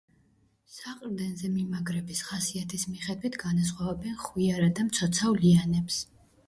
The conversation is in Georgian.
საყრდენზე მიმაგრების ხასიათის მიხედვით განასხვავებენ ხვიარა და მცოცავ ლიანებს.